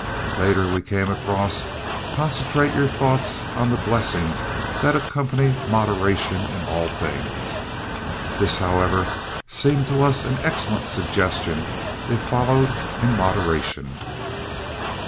Later we came across "Concentrate your thought on the blessings that accompany moderation in all things." This, however, seemed to us an excellent suggestion if followed in moderation.